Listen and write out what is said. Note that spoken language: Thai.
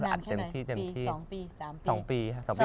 อัดเต็มที่๒ปี